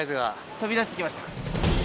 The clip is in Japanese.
飛び出してきました。